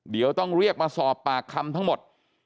เดี๋ยวต้องเรียกมาสอบปากคำทั้งหมด